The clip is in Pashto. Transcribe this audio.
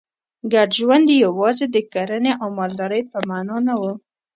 ګډ ژوند یوازې د کرنې او مالدارۍ په معنا نه و.